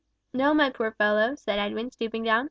"No, my poor fellow," said Edwin, stooping down.